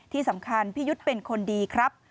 ที่สำคัญพี่ยุทธ์เป็นคนดีครับ